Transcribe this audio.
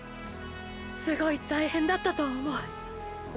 すごい大変だったと思う。！